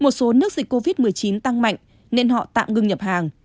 một số nước dịch covid một mươi chín tăng mạnh nên họ tạm ngưng nhập hàng